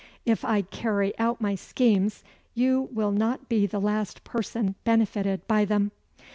If I carry out my schemes, you will not be the last person benefited by them."